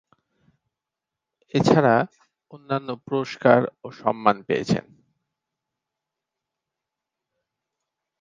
এছাড়া অন্যান্য পুরস্কার ও সম্মান পেয়েছেন।